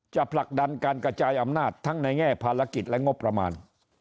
ผลักดันการกระจายอำนาจทั้งในแง่ภารกิจและงบประมาณ